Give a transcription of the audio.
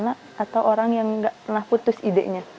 atau orang yang nggak pernah putus idenya